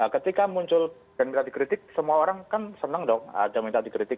ketika muncul dan kita dikritik semua orang kan senang dong ada minta dikritik